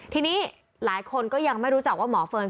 ทีนี้หลายคนก็ยังไม่รู้จักว่าหมอเฟิร์น